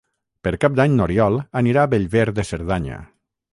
Per Cap d'Any n'Oriol anirà a Bellver de Cerdanya.